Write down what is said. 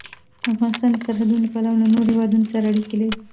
افغانستان د سرحدونه له پلوه له نورو هېوادونو سره اړیکې لري.